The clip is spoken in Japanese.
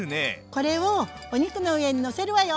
これをお肉の上にのせるわよ。